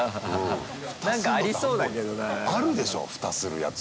あるでしょ蓋するやつ。